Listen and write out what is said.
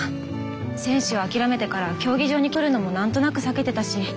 選手を諦めてから競技場に来るのもなんとなく避けてたし。